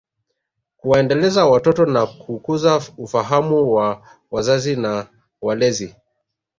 Kuwaendeleza watoto na kukuza ufahamu wa wazazi na walezi